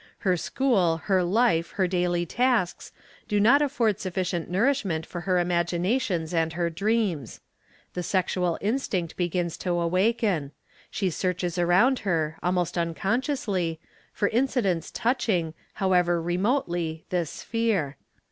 Her school, her ite, her daily tasks, do not afford sufficient nourishment for her imag a jnations and her dreams; the sexual instinct begins to awaken ; she searches around her, almost unconsciously, for incidents touching, how ever remotely, this sphere.